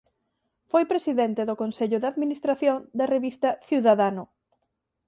Foi presidente do Consello de Administración da revista "Ciudadano".